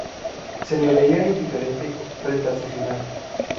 Se le veía indiferente frente a su final.